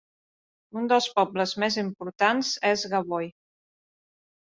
Un dels pobles més importants és Gavoi.